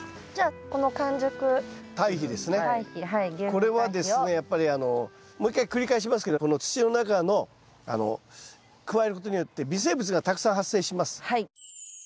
これはですねやっぱりもう一回繰り返しますけどこの土の中の加えることによって微生物がたくさん発生します。